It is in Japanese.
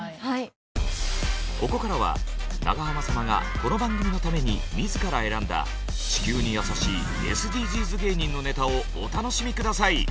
ここからは長濱様がこの番組のために自ら選んだ地球にやさしいＳＤＧｓ芸人のネタをお楽しみ下さい！